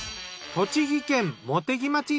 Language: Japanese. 栃木県茂木町。